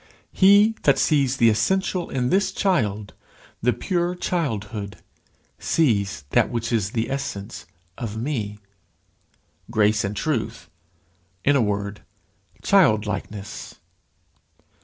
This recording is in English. "He that sees the essential in this child, the pure childhood, sees that which is the essence of me," grace and truth in a word, childlikeness.